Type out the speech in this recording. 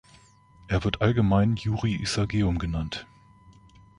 Er wird allgemein Yuri Isageum genannt.